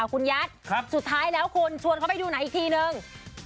คุณยัดสุดท้ายแล้วคุณชวนเขาไปดูไหนอีกทีนึง